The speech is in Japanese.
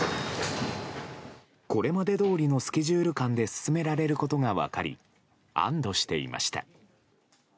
これまでどおりのスケジュール感で進められることが分かり、安どしていました。